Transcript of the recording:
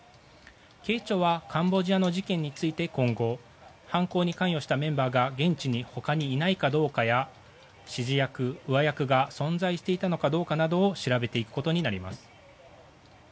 警視庁はカンボジアの事件について今後、犯行に関与したメンバーが現地に他にいないかどうかや指示役、上役が存在していたのかどうかなどを調べていくことになります。